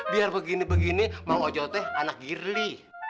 biar begini begini mang ojo tuh anak girly